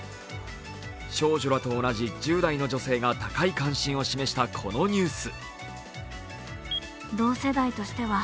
少女らと同じ１０代の女性が高い関心を示したこのニュース。